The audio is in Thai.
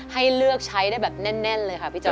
ให้เลือกใช้ได้แบบแน่นเลยค่ะพี่โจ